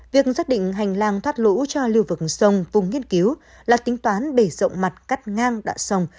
việc xác định hành lang thoát lũ cho lưu vực sông vùng nghiên cứu là tính toán bể rộng mặt cắt ngang đạ sông